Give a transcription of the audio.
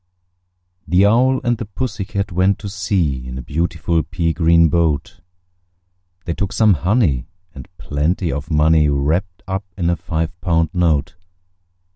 The Owl and the Pussy Cat went to sea In a beautiful pea green boat: They took some honey, and plenty of money Wrapped up in a five pound note.